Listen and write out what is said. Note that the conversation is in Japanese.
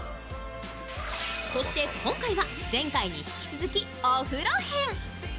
そして今回は前回に引き続きお風呂編。